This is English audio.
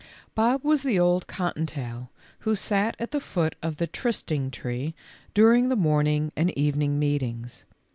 Bob was the old cotton tail who sat at the foot of the try sting tree during the morning and evening meetings